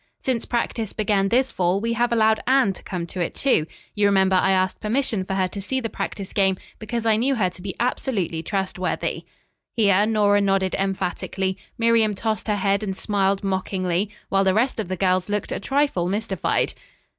Since practice began this fall we have allowed Anne to come to it, too. You remember I asked permission for her to see the practice game, because I knew her to be absolutely trustworthy." Here Nora nodded emphatically, Miriam tossed her head and smiled mockingly, while the rest of the girls looked a trifle mystified.